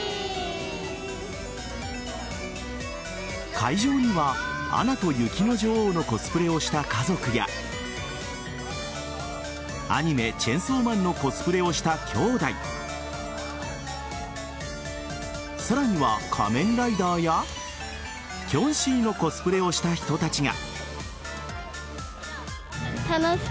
会場には「アナと雪の女王」のコスプレをした家族やアニメ「チェンソーマン」のコスプレをしたきょうだいさらには仮面ライダーやキョンシーのコスプレをした人たちが。